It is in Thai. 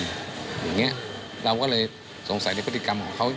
อย่างนี้เราก็เลยสงสัยในพฤติกรรมของเขา